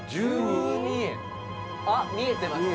「あっ見えてます」